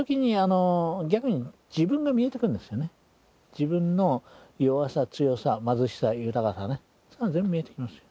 自分の弱さ強さ貧しさ豊かさね全部見えてきます。